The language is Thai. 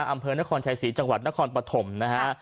อำเภอนครชายศรีจังหวัดนครปฐมนะฮะ